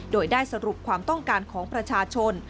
โดยได้สรุปความต้องการของประชาชน